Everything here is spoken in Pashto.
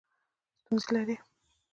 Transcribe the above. ستونزې لرئ؟